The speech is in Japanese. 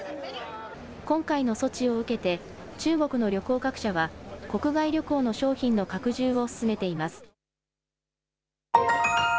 今回の措置を受けて中国の旅行各社は国外旅行の商品の拡充を進めています。